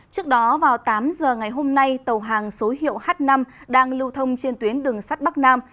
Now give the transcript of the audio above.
trước đó vào tám giờ ngày hôm nay tàu hàng số hiệu h năm đang lưu thông trên tuyến đường sắt bắc nam